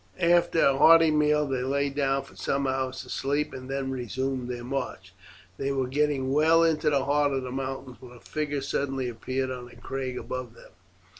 After a hearty meal they lay down for some hours to sleep, and then resumed their march. They were getting well into the heart of the mountains when a figure suddenly appeared on a crag above them.